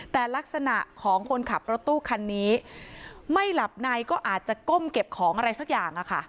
แต่ลักษณะของคนขับรถตู้คันนี้ไม่หลับในก็อาจจะก้มเก็บของอะไรสักอย่าง